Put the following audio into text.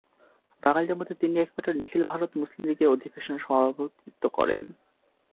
বাঙালিদের মধ্যে তিনিই একমাত্র নিখিল ভারত মুসলিম লীগের অধিবেশনে সভাপতিত্ব করেন।